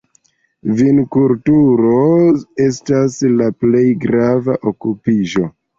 Vinkulturo estas la plej grava okupiĝo.